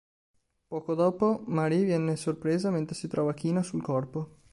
Poco dopo, Marie viene sorpresa mentre si trova china sul corpo.